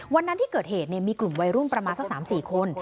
วันนั้นที่เกิดเหตุมีกลุ่มวัยรุ่นประมาณสัก๓๔คน